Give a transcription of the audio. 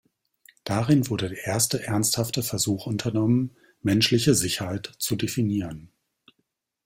Darin wurde der erste ernsthafte Versuch unternommen, Menschliche Sicherheit zu definieren.